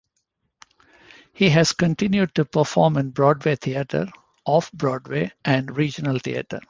He has continued to perform in Broadway theatre, Off Broadway, and regional theatre.